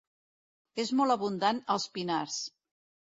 És molt abundant als pinars.